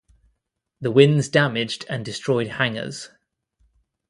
The winds damaged and destroyed hangars.